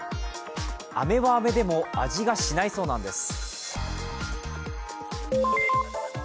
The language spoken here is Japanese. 飴は飴でも、味がしないそうなんです。